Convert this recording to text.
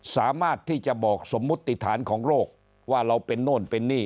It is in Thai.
สามารถที่จะบอกสมมุติฐานของโรคว่าเราเป็นโน่นเป็นนี่